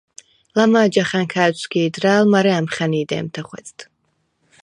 ლამა̄ჯახა̈ნქა ა̈თვსგი̄დრა̄̈ლ, მარე ამხა̈ნი დე̄მთე ხვეწდ.